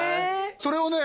それをね